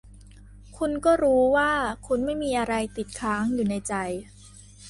คุณก็รู้ว่า คุณไม่มีอะไรติดค้างอยู๋ในใจ